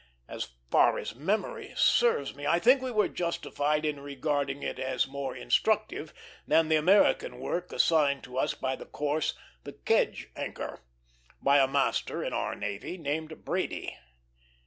As far as memory serves me, I think we were justified in regarding it as more instructive than the American work assigned to us by the course, The Kedge Anchor, by a master in our navy named Brady.